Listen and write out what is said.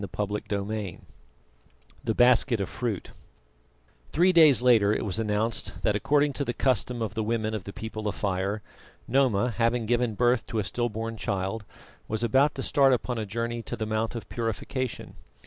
CHAPTER XIII THE BASKET OF FRUIT Three days later it was announced that according to the custom of the women of the People of Fire, Noma having given birth to a still born child, was about to start upon a journey to the Mount of Purification.